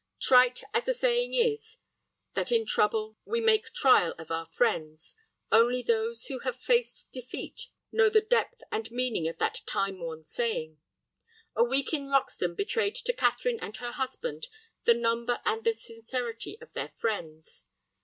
Trite as the saying is, that in trouble we make trial of our friends, only those who have faced defeat know the depth and meaning of that time worn saying. A week in Roxton betrayed to Catherine and her husband the number and the sincerity of their friends.